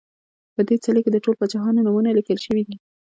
په دې څلي کې د ټولو پاچاهانو نومونه لیکل شوي دي